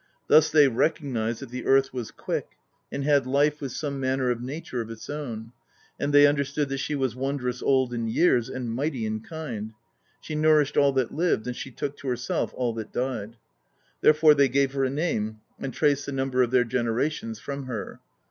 Thus they recognized that the earth was quick, and had life with some manner of nature of its own; and they understood that she was wondrous old in years and mighty in kind: she nourished all that lived, and she took to herself all that died. Therefore they gave her a name, and traced the number of their generations from her.